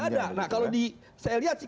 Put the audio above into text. sudah ada nah kalau di saya lihat sih